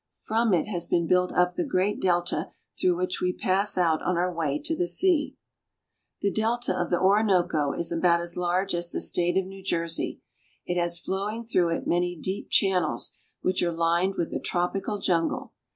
From it has been built up the great delta through which we pass out on our way to the sea. The delta of the Orinoco is about as large as the State of New Jersey. It has flowing through it many deep channels, which are lined with a tropical jungle.